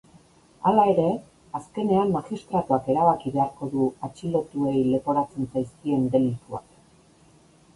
Hala ere, azkenean magistratuak erabaki beharko du atxilotuei leporatzen zaizkien delituak.